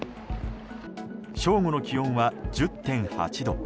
正午の気温は１０．８度。